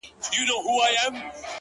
د تکراري حُسن چيرمني هر ساعت نوې یې؛